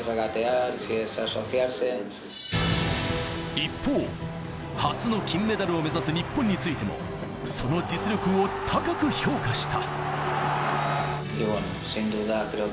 一方、初の金メダルを目指す日本についても、その実力を高く評価した。